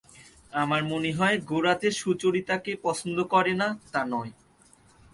আমার মনে হয় গোরা যে সুচরিতাকে পছন্দ করে না তা নয়।